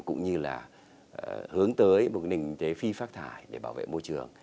cũng như là hướng tới một cái nền kinh tế phi phác thải để bảo vệ môi trường